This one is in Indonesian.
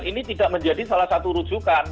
ini tidak menjadi salah satu rujukan